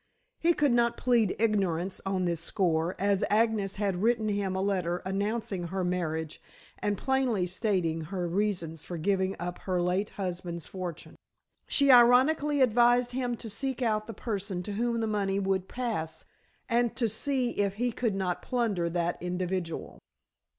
He could not plead ignorance on this score, as Agnes had written him a letter announcing her marriage, and plainly stating her reasons for giving up her late husband's fortune. She ironically advised him to seek out the person to whom the money would pass, and to see if he could not plunder that individual.